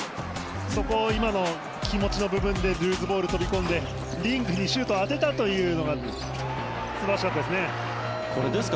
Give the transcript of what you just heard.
そこを今の気持ちの部分でルーズボールに飛び込んでリングにシュートを当てたというのが素晴らしかったですね。